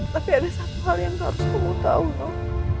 tapi ada satu hal yang harus kamu tahu